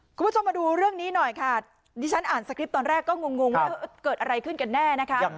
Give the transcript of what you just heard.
คุณผู้ชมมาดูเรื่องนี้หน่อยค่ะดิฉันอ่านสคริปต์ตอนแรกก็งงว่าเกิดอะไรขึ้นกันแน่นะคะ